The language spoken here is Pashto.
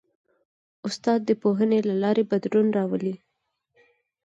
استاد د پوهنې له لارې بدلون راولي.